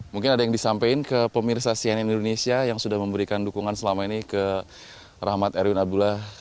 mungkin ada yang disampaikan ke pemirsa cnn indonesia yang sudah memberikan dukungan selama ini ke rahmat erwin abdullah